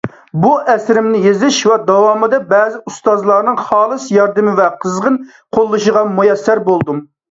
بۇ ئەسىرىمنى يېزىش داۋامىدا بەزى ئۇستازلارنىڭ خالىس ياردىمى ۋە قىزغىن قوللىشىغا مۇيەسسەر بولدۇم.